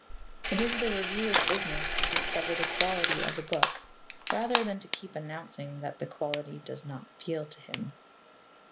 It is the reviewer's business to discover the quality of a book rather than to keep announcing that the quality does not appeal to him.